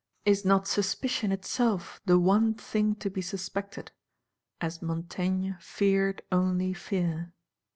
Is not Suspicion itself the one thing to be suspected, as Montaigne feared only fear?